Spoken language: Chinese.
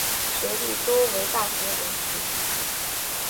学历多为大学文凭。